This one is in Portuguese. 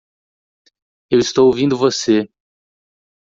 Eu estou ouvindo você!